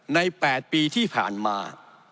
๘ปีที่ผ่านมา